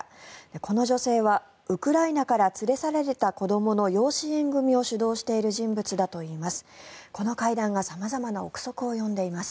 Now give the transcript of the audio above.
この女性はウクライナから連れ去られた子どもの養子縁組を主導している人物だといいます。